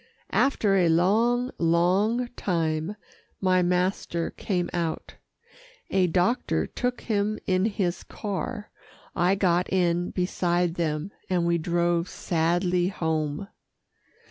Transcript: After a long, long time my master came out. A doctor took him in his car, I got in beside them, and we drove sadly home.